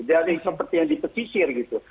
jadi sepertinya di pesisir gitu